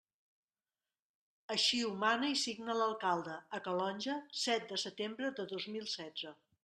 Així ho mana i signa l'alcalde, a Calonge, set de setembre de dos mil setze.